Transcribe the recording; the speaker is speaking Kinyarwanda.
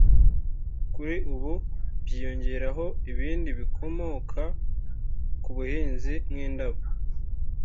kuri ubu byiyongereyeho ibindi bikomoka ku buhinzi nk’indabo